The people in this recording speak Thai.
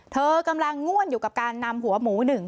เธอกำลังง่วนอยู่กับการนำหัวหมูหนึ่ง